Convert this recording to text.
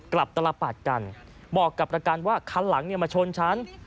กลับตลปัดกันบอกกับประกันว่าคันหลังมาชนฉัน